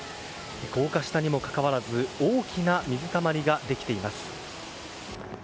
高架下にもかかわらず大きな水たまりができています。